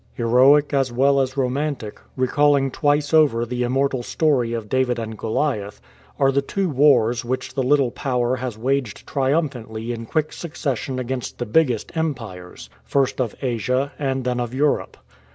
Heroic as well as romantic, recalling twice over the immortal story of David and Goliath, are the two wars which the little Power has waged triumphantly in quick succession against the biggest empires — first of Asia and then of Europe.